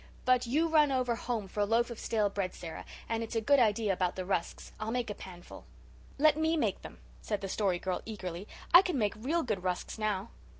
But you run over home for a loaf of stale bread, Sara, and it's a good idea about the rusks. I'll make a panful." "Let me make them," said the Story Girl, eagerly. "I can make real good rusks now."